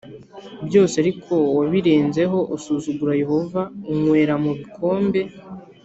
Byose ariko wabirenzeho usuzugura yehova unywera mu bikombe